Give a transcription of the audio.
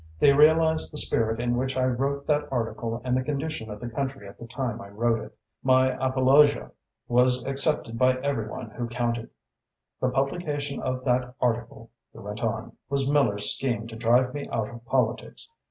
They realised the spirit in which I wrote that article and the condition of the country at the time I wrote it. My apologia was accepted by every one who counted. The publication of that article," he went on, "was Miller's scheme to drive me out of politics.